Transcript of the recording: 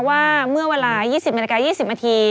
ว่าเมื่อที่๒๐มิการ๒๐ม